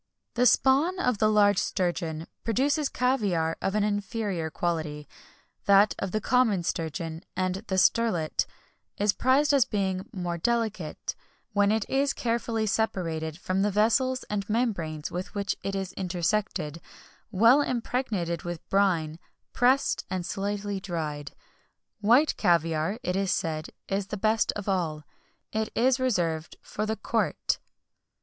The spawn of the large sturgeon produces caviar of an inferior quality; that of the common sturgeon, and the sterlet, is prized as being more delicate, when it is carefully separated from the vessels and membranes with which it is intersected, well impregnated with brine, pressed, and slightly dried. White caviar, it is said, is the best of all. It is reserved for the court.